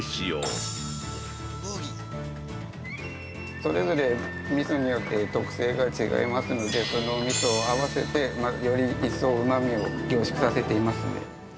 ◆それぞれ、みそによって特性が違いますので、そのおみそを合わせて、より一層うまみを凝縮させていますので。